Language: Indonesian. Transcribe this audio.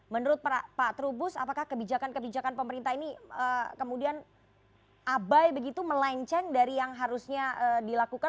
menurut pak trubus apakah kebijakan kebijakan pemerintah ini kemudian abai begitu melenceng dari yang harusnya dilakukan